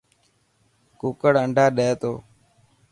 ڪوڪڙ انڊا ڏي تو.